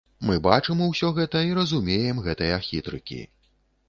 Мы бачым усё гэта і разумеем гэтыя хітрыкі.